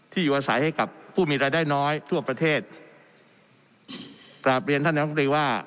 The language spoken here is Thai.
อยู่อาศัยให้กับผู้มีรายได้น้อยทั่วประเทศกราบเรียนท่านน้ำตรีว่า